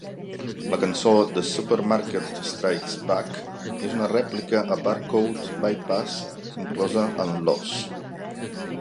La cançó "The Supermarket Strikes Back" és una rèplica a "Barcode Bypass", inclosa en "Loss".